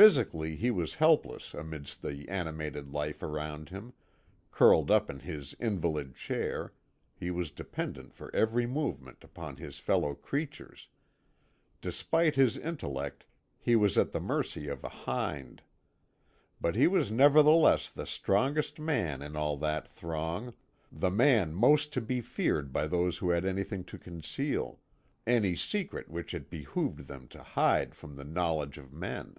Physically he was helpless amidst the animated life around him; curled up in his invalid chair he was dependent for every movement upon his fellow creatures; despite his intellect, he was at the mercy of a hind; but he was nevertheless the strongest man in all that throng, the man most to be feared by those who had anything to conceal, any secret which it behoved them to hide from the knowledge of men.